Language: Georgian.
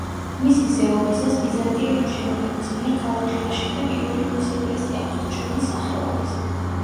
მისი ზეობისას ბიზანტიელი მშენებლების მიერ ქალაქში აშენდა პირველი ქვის ეკლესია, ღვთისმშობლის სახელობის.